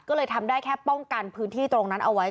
ก็เลยทำได้แค่ป้องกันพื้นที่ตรงนั้นเอาไว้